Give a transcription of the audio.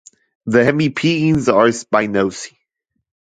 The hemipenes are spinose.